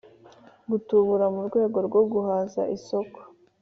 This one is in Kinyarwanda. gutubura mu rwego rwo guhaza isoko